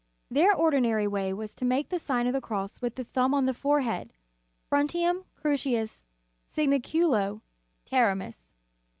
Their ordi nary way was to make the Sign of the. Cross with the thumb on the forehead : Frontem crucis signaculo terimus.